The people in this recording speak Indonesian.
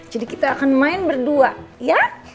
jadi kita akan main berdua ya